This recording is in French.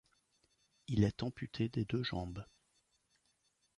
Il est amputé des deux jambes.